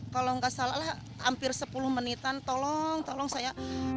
kalau nggak salah lah hampir sepuluh menitan tolong tolong saya